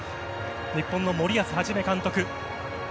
日本の森保一監督。